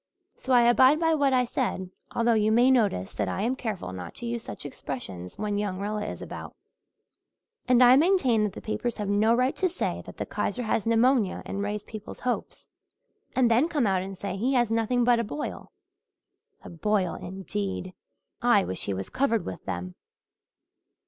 So I abide by what I said, although you may notice that I am careful not to use such expressions when young Rilla is about. And I maintain that the papers have no right to say that the Kaiser has pneumonia and raise people's hopes, and then come out and say he has nothing but a boil. A boil, indeed! I wish he was covered with them."